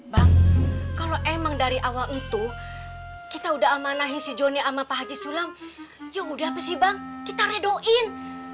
bang kalau emang dari awal itu kita udah amanahin si joni sama pak haji sulam ya udah apa sih bang kita redoin